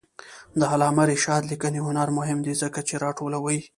د علامه رشاد لیکنی هنر مهم دی ځکه چې راټولوي.